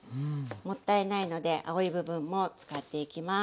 もったいないので青い部分も使っていきます。